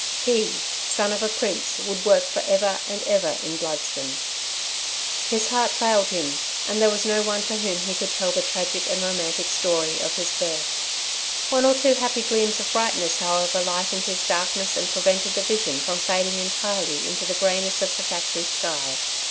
He, son of a prince, would work for ever and ever in Bludston. His heart failed him. And there was no one to whom he could tell the tragic and romantic story of his birth. One or two happy gleams of brightness, however, lightened his darkness and prevented the Vision from fading entirely into the greyness of the factory sky.